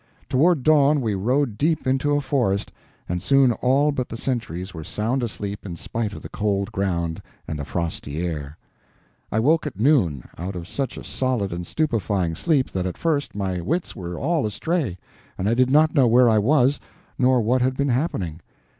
Toward dawn we rode deep into a forest, and soon all but the sentries were sound asleep in spite of the cold ground and the frosty air. I woke at noon out of such a solid and stupefying sleep that at first my wits were all astray, and I did not know where I was nor what had been happening.